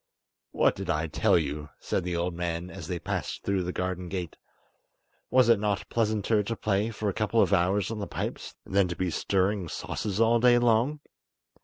"What did I tell you?" said the old man, as they passed through the garden gate. "Was it not pleasanter to play for a couple of hours on the pipes than to be stirring sauces all day long?